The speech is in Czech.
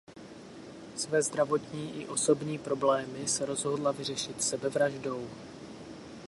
Své zdravotní i osobní problémy se rozhodla vyřešit sebevraždou.